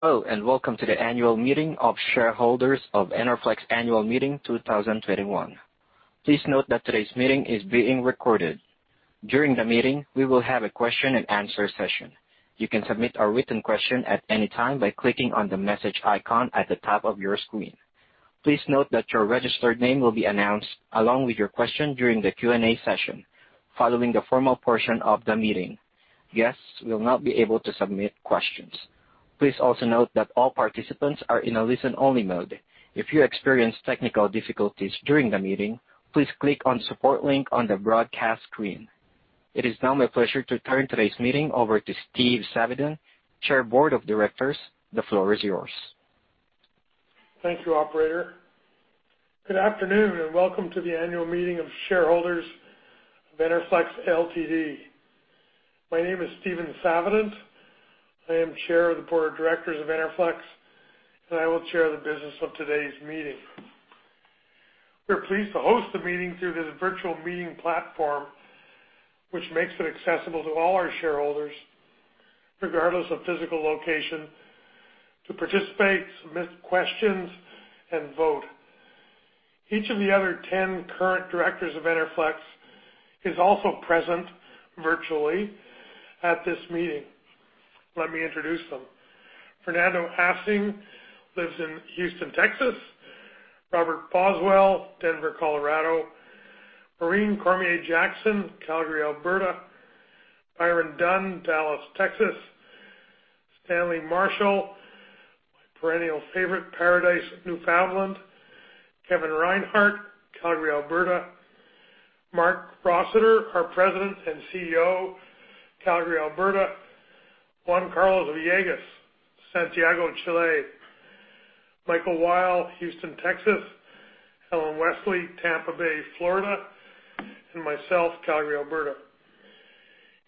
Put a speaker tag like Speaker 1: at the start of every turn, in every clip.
Speaker 1: Hello, welcome to the annual meeting of shareholders of Enerflex Ltd. Annual Meeting 2021. Please note that today's meeting is being recorded. During the meeting, we will have a question and answer session. You can submit a written question at any time by clicking on the message icon at the top of your screen. Please note that your registered name will be announced along with your question during the Q&A session following the formal portion of the meeting. Guests will not be able to submit questions. Please also note that all participants are in a listen-only mode. If you experience technical difficulties during the meeting, please click on support link on the broadcast screen. It is now my pleasure to turn today's meeting over to Stephen Savidant, Chair, Board of Directors. The floor is yours.
Speaker 2: Thank you, operator. Good afternoon, and welcome to the annual meeting of shareholders of Enerflex Ltd. My name is Stephen Savidant. I am Chair of the Board of Directors of Enerflex, and I will chair the business of today's meeting. We are pleased to host the meeting through this virtual meeting platform, which makes it accessible to all our shareholders, regardless of physical location, to participate, submit questions, and vote. Each of the other 10 current directors of Enerflex is also present virtually at this meeting. Let me introduce them. Fernando Assing lives in Houston, Texas. Robert Boswell, Denver, Colorado. Maureen Cormier Jackson, Calgary, Alberta. Bryon Dunn, Dallas, Texas. Stanley Marshall, my perennial favorite, Paradise, Newfoundland. Kevin Reinhart, Calgary, Alberta. Marc Rossiter, our President and CEO, Calgary, Alberta. Juan Carlos Villegas, Santiago, Chile. Michael Weill, Houston, Texas. Helen Wesley, Tampa Bay, Florida, and myself, Calgary, Alberta.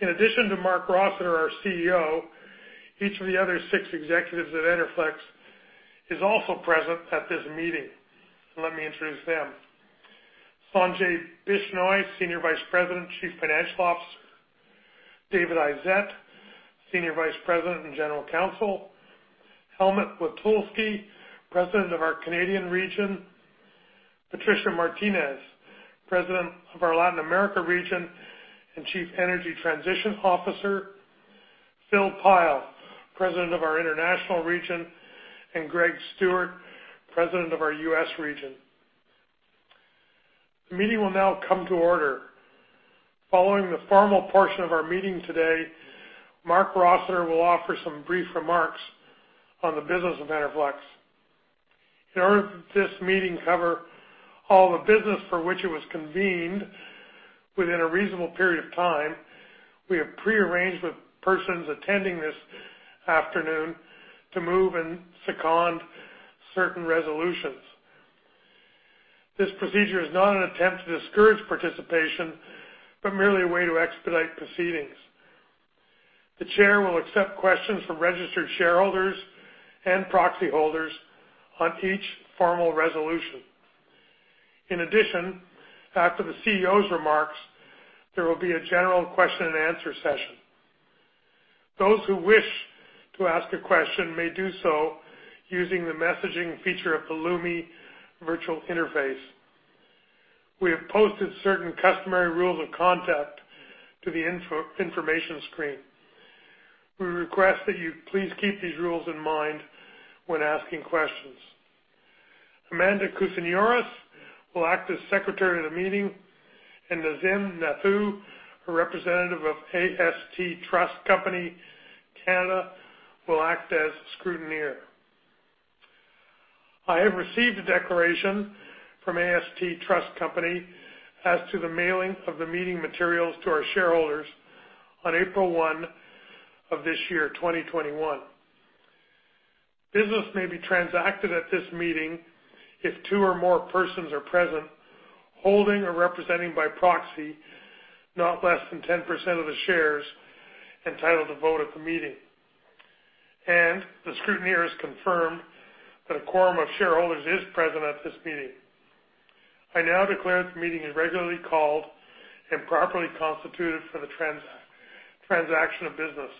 Speaker 2: In addition to Marc Rossiter, our CEO, each of the other six executives at Enerflex is also present at this meeting. Let me introduce them. Sanjay Bishnoi, Senior Vice President, Chief Financial Officer. David Izett, Senior Vice President and General Counsel. Helmuth Witulski, President of our Canadian region. Patricia Martinez, President of our Latin America region and Chief Energy Transition Officer. Phil Pyle, President of our international region, and Greg Stewart, President of our U.S. region. The meeting will now come to order. Following the formal portion of our meeting today, Marc Rossiter will offer some brief remarks on the business of Enerflex. In order for this meeting to cover all the business for which it was convened within a reasonable period of time, we have prearranged with persons attending this afternoon to move and second certain resolutions. This procedure is not an attempt to discourage participation, but merely a way to expedite proceedings. The chair will accept questions from registered shareholders and proxy holders on each formal resolution. After the CEO's remarks, there will be a general question and answer session. Those who wish to ask a question may do so using the messaging feature of the Lumi virtual interface. We have posted certain customary rules of conduct to the information screen. We request that you please keep these rules in mind when asking questions. Amanda Kousioris will act as Secretary of the Meeting, and Nazim Nathoo, her representative of AST Trust Company (Canada), will act as scrutineer. I have received a declaration from AST Trust Company as to the mailing of the meeting materials to our shareholders on April 1 of this year, 2021. Business may be transacted at this meeting if two or more persons are present, holding or representing by proxy, not less than 10% of the shares entitled to vote at the meeting, and the scrutineers confirmed that a quorum of shareholders is present at this meeting. I now declare this meeting is regularly called and properly constituted for the transaction of business.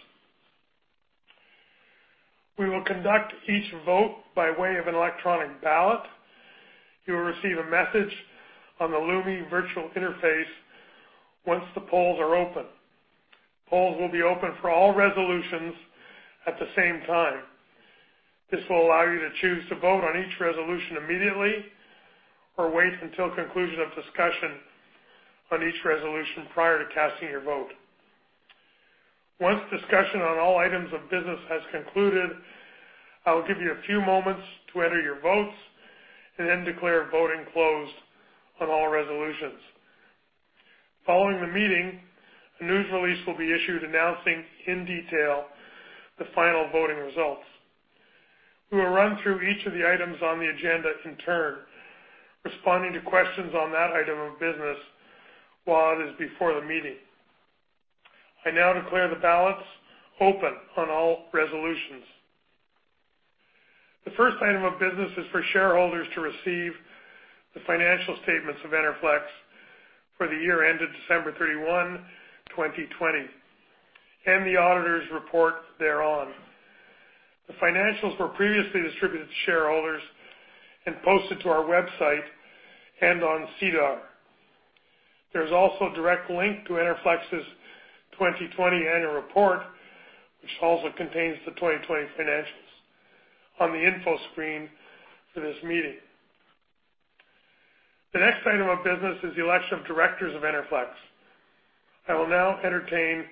Speaker 2: We will conduct each vote by way of an electronic ballot. You will receive a message on the Lumi virtual interface once the polls are open. Polls will be open for all resolutions at the same time. This will allow you to choose to vote on each resolution immediately or wait until conclusion of discussion on each resolution prior to casting your vote. Once discussion on all items of business has concluded, I will give you a few moments to enter your votes and then declare voting closed on all resolutions. Following the meeting, a news release will be issued announcing in detail the final voting results. We will run through each of the items on the agenda in turn, responding to questions on that item of business while it is before the meeting. I now declare the ballots open on all resolutions. The first item of business is for shareholders to receive the financial statements of Enerflex for the year ended December 31, 2020, and the auditors report thereon. The financials were previously distributed to shareholders and posted to our website and on SEDAR. There's also a direct link to Enerflex's 2020 annual report, which also contains the 2020 financials on the info screen for this meeting. The next item of business is the election of directors of Enerflex. I will now entertain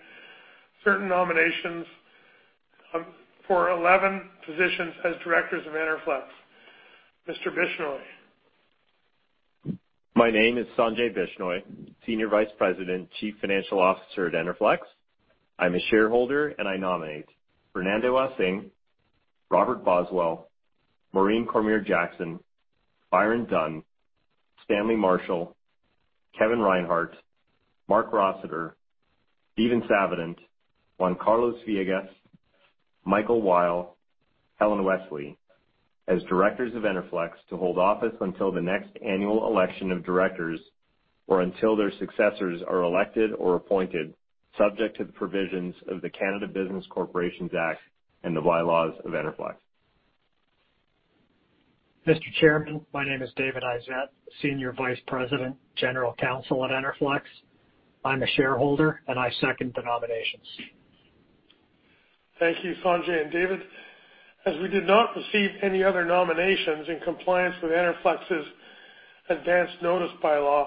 Speaker 2: certain nominations for 11 positions as directors of Enerflex. Mr. Bishnoi.
Speaker 3: My name is Sanjay Bishnoi, Senior Vice President, Chief Financial Officer at Enerflex. I'm a shareholder. I nominate Fernando Assing, Robert Boswell, Maureen Cormier Jackson, Bryon Dunn, Stanley Marshall, Kevin Reinhart, Marc Rossiter, Stephen Savidant, Juan Carlos Villegas, Michael Weill, Helen Wesley as directors of Enerflex to hold office until the next annual election of directors or until their successors are elected or appointed, subject to the provisions of the Canada Business Corporations Act and the bylaws of Enerflex.
Speaker 4: Mr. Chairman, my name is David Izett, Senior Vice President, General Counsel at Enerflex. I'm a shareholder, and I second the nominations.
Speaker 2: Thank you, Sanjay and David. As we did not receive any other nominations in compliance with Enerflex's advanced notice bylaw,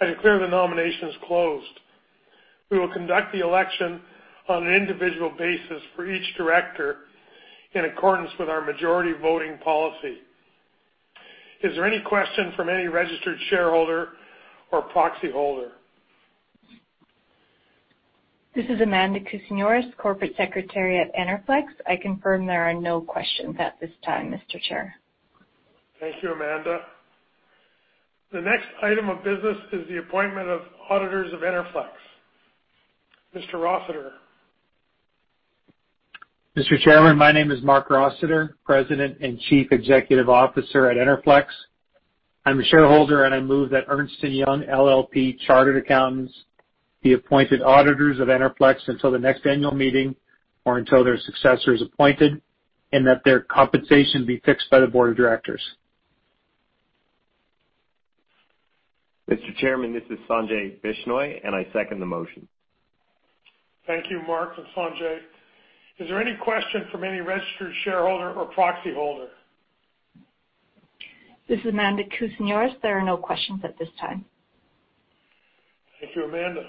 Speaker 2: I declare the nominations closed. We will conduct the election on an individual basis for each director in accordance with our majority voting policy. Is there any question from any registered shareholder or proxyholder?
Speaker 5: This is Amanda Kousioris, Corporate Secretary at Enerflex. I confirm there are no questions at this time, Mr. Chair.
Speaker 2: Thank you, Amanda. The next item of business is the appointment of auditors of Enerflex. Mr. Rossiter.
Speaker 6: Mr. Chairman, my name is Marc Rossiter, President and Chief Executive Officer at Enerflex. I'm a shareholder, and I move that Ernst & Young LLP Chartered Accountants be appointed auditors of Enerflex until the next annual meeting or until their successor is appointed, and that their compensation be fixed by the board of directors.
Speaker 3: Mr. Chairman, this is Sanjay Bishnoi, and I second the motion.
Speaker 2: Thank you, Marc and Sanjay. Is there any question from any registered shareholder or proxyholder?
Speaker 5: This is Amanda Kousioris. There are no questions at this time.
Speaker 2: Thank you, Amanda.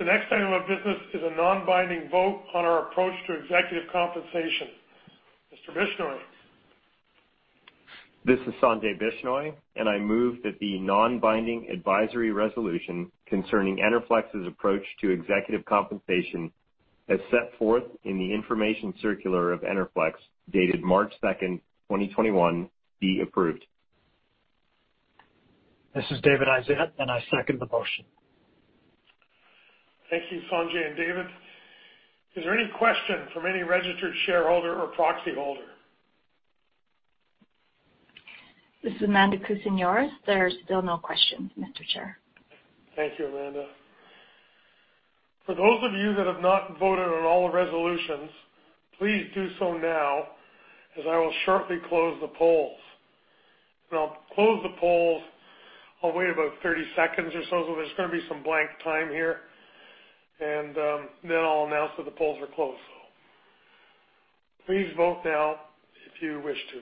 Speaker 2: The next item of business is a non-binding vote on our approach to executive compensation. Mr. Bishnoi.
Speaker 3: This is Sanjay Bishnoi. I move that the non-binding advisory resolution concerning Enerflex's approach to executive compensation, as set forth in the information circular of Enerflex dated March second, 2021, be approved.
Speaker 4: This is David Izett, and I second the motion.
Speaker 2: Thank you, Sanjay and David. Is there any question from any registered shareholder or proxyholder?
Speaker 5: This is Amanda Kousioris. There are still no questions, Mr. Chair.
Speaker 2: Thank you, Amanda. For those of you that have not voted on all the resolutions, please do so now, as I will shortly close the polls. When I'll close the polls, I'll wait about 30 seconds or so. There's going to be some blank time here. I'll announce that the polls are closed. Please vote now if you wish to.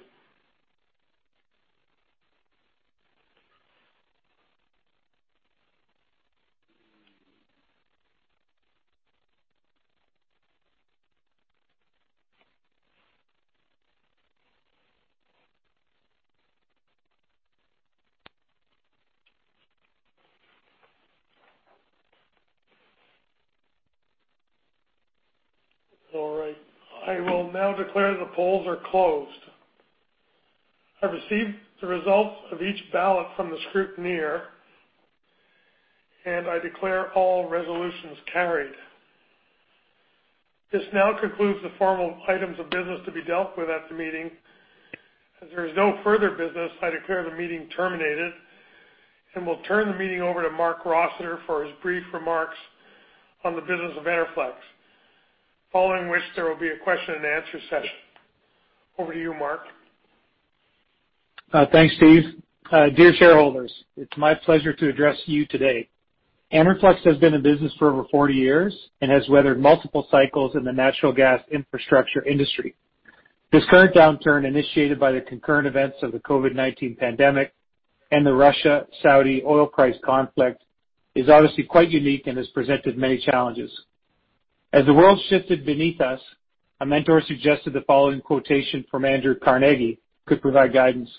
Speaker 2: All right. I will now declare the polls are closed. I received the results of each ballot from the scrutineer, and I declare all resolutions carried. This now concludes the formal items of business to be dealt with at the meeting. As there is no further business, I declare the meeting terminated and will turn the meeting over to Marc Rossiter for his brief remarks on the business of Enerflex. Following which, there will be a question and answer session. Over to you, Marc.
Speaker 6: Thanks, Stephen. Dear shareholders, it's my pleasure to address you today. Enerflex has been in business for over 40 years and has weathered multiple cycles in the natural gas infrastructure industry. This current downturn, initiated by the concurrent events of the COVID-19 pandemic and the Russia-Saudi oil price conflict, is obviously quite unique and has presented many challenges. As the world shifted beneath us, a mentor suggested the following quotation from Andrew Carnegie could provide guidance.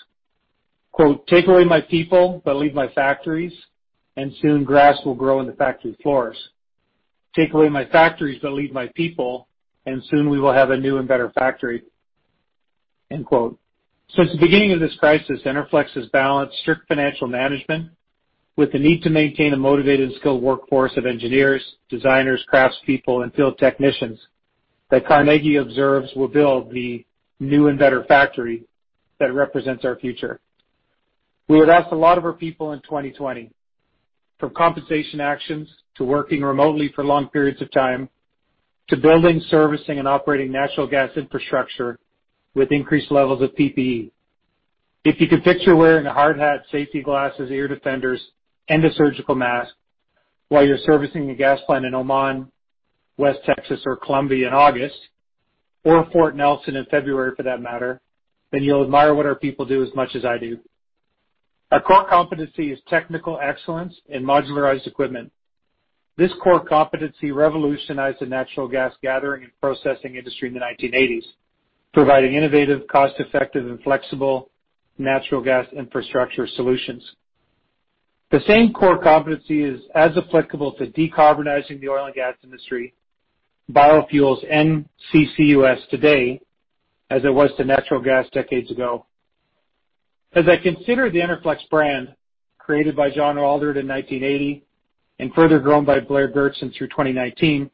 Speaker 6: Quote, "Take away my people, but leave my factories, and soon grass will grow in the factory floors. Take away my factories, but leave my people, and soon we will have a new and better factory." End quote. Since the beginning of this crisis, Enerflex has balanced strict financial management with the need to maintain a motivated and skilled workforce of engineers, designers, craftspeople, and field technicians that Carnegie observes will build the new and better factory that represents our future. We would ask a lot of our people in 2020, from compensation actions to working remotely for long periods of time, to building, servicing, and operating natural gas infrastructure with increased levels of PPE. If you can picture wearing a hard hat, safety glasses, ear defenders, and a surgical mask while you're servicing a gas plant in Oman, West Texas, or Colombia in August, or Fort Nelson in February for that matter, then you'll admire what our people do as much as I do. Our core competency is technical excellence in modularized equipment. This core competency revolutionized the natural gas gathering and processing industry in the 1980s, providing innovative, cost-effective, and flexible natural gas infrastructure solutions. The same core competency is as applicable to decarbonizing the oil and gas industry, biofuels, and CCUS today, as it was to natural gas decades ago. As I consider the Enerflex brand, created by John Aldred in 1980 and further grown by Blair Goertzen through 2019,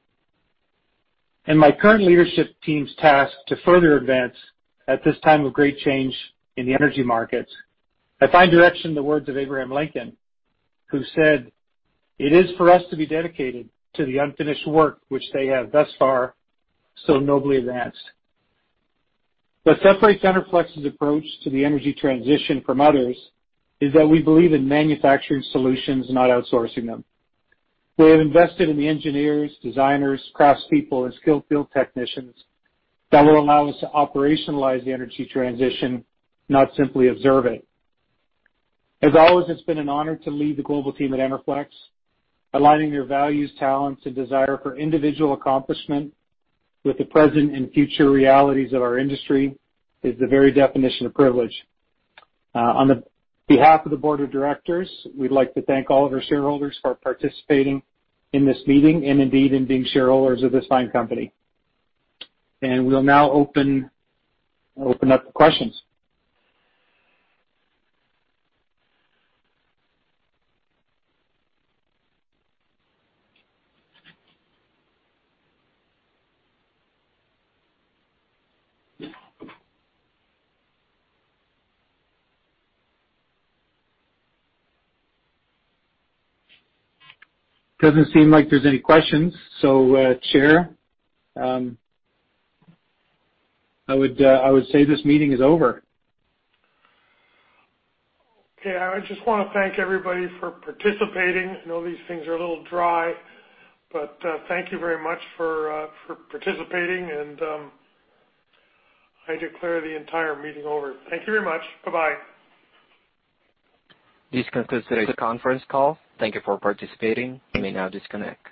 Speaker 6: and my current leadership team's task to further advance at this time of great change in the energy markets, I find direction in the words of Abraham Lincoln, who said, "It is for us to be dedicated to the unfinished work which they have thus far so nobly advanced." What separates Enerflex's approach to the energy transition from others is that we believe in manufacturing solutions, not outsourcing them. We have invested in the engineers, designers, craftspeople, and skilled field technicians that will allow us to operationalize the energy transition, not simply observe it. As always, it's been an honor to lead the global team at Enerflex. Aligning their values, talents, and desire for individual accomplishment with the present and future realities of our industry is the very definition of privilege. On the behalf of the board of directors, we'd like to thank all of our shareholders for participating in this meeting, and indeed in being shareholders of this fine company. We'll now open up the questions. Doesn't seem like there's any questions. Chair, I would say this meeting is over.
Speaker 2: Okay. I just want to thank everybody for participating. I know these things are a little dry, but, thank you very much for participating, and I declare the entire meeting over. Thank you very much. Bye-bye.
Speaker 1: This concludes today's conference call. Thank you for participating. You may now disconnect.